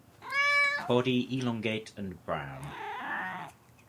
Body elongate and brown.